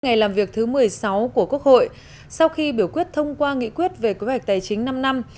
ngày làm việc thứ một mươi sáu của quốc hội sau khi biểu quyết thông qua nghị quyết về kế hoạch tài chính năm năm